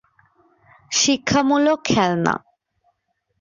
শিক্ষামূলক খেলনা